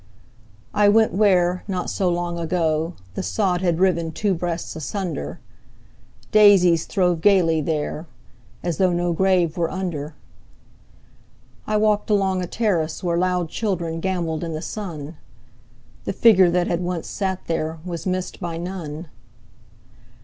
I went where, not so long ago, The sod had riven two breasts asunder; Daisies throve gaily there, as though No grave were under. I walked along a terrace where Loud children gambolled in the sun; The figure that had once sat there Was missed by none.